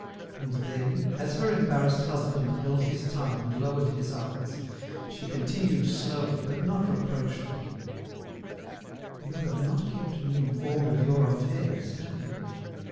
And then, as her embarrassed husband held his tongue and lowered his eyes, she continued slowly, but not reproachfully: "You have not kept me informed of your affairs, have you?